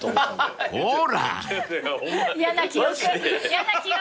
やな記憶。